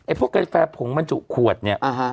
๑ไอ้พวกกาแฟผงมันจุขวดเนี่ย